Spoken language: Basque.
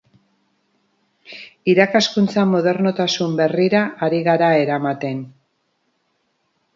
Irakaskuntza modernotasun berrira ari gara eramaten.